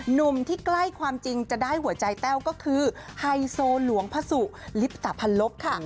หนุ่มที่ใกล้ความจริงจะได้หัวใจแต้วก็คือไฮโซหลวงพระสุลิปตะพันลบค่ะ